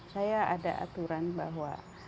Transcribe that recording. saya ada aturan bahwa